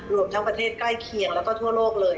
รวมทั้งประเทศใกล้เคียงแล้วก็ทั่วโลกเลย